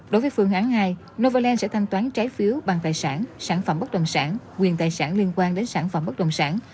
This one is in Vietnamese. đối với phương án hai novaland sẽ thanh toán trái phiếu bằng tài sản sản phẩm bất động sản quyền tài sản liên quan đến sản phẩm bất đồng sản